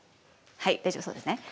はい大丈夫そうですね。